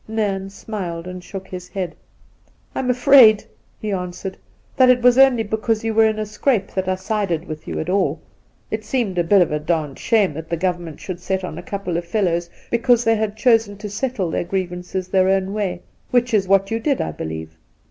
Nairn smiled and shook his head. ' I'm afraid,' he answered, ' that it was only because yon were in a scrape that I sided with you at all. It seemed a bit of a d d shame that the Government should set on a couple of fellows because they had chosen to settle their grievances their own way, which is what you did, I believe?'